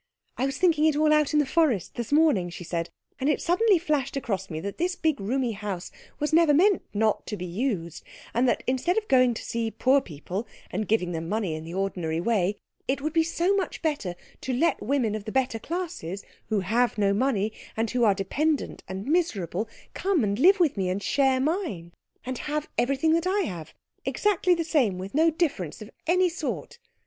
"I was thinking it all out in the forest this morning," she said, "and it suddenly flashed across me that this big roomy house was never meant not to be used, and that instead of going to see poor people and giving them money in the ordinary way, it would be so much better to let women of the better classes, who have no money, and who are dependent and miserable, come and live with me and share mine, and have everything that I have exactly the same, with no difference of any sort.